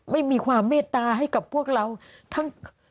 ไม่มีความเมตตาให้กับพวกเราทั้ง